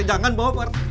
jangan bawa pak rt